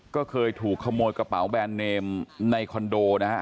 ก็เคยถูกขโมยกระเป๋าแบรนดเนมในคอนโดนะฮะ